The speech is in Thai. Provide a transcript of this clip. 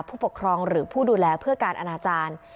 ผู้ปกครองหรือผู้ดูแลเพื่อการอนาจารย์